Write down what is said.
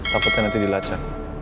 takutnya nanti dilacan